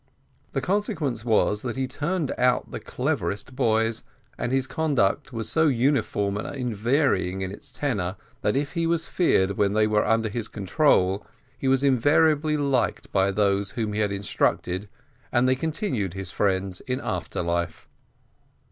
The consequence was, that he turned out the cleverest boys, and his conduct was so uniform and unvarying in its tenor, that if he was feared when they were under his control, he was invariably liked by those whom he had instructed, and they continued his friends in after life.